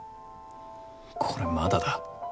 これまだだ。